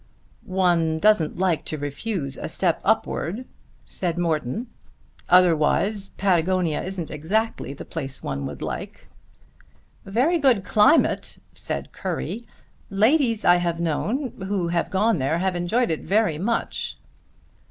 "One doesn't like to refuse a step upward," said Morton; "otherwise Patagonia isn't exactly the place one would like." "Very good climate," said Currie. "Ladies I have known who have gone there have enjoyed it very much."